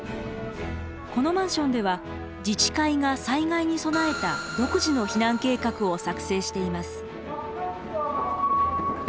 このマンションでは自治会が災害に備えた独自の避難計画を作成しています。